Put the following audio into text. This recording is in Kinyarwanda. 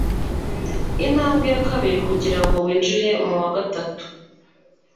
intambwe ya kabiri kugirango winjire mu wa gatatu